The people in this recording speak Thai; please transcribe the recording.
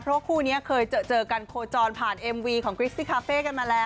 เพราะว่าคู่นี้เคยเจอกันโคจรผ่านเอ็มวีของคริสติคาเฟ่กันมาแล้ว